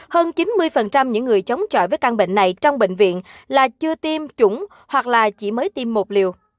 hơn chín mươi những người chống chọi với căn bệnh này trong bệnh viện là chưa tiêm chủng hoặc là chỉ mới tiêm một liều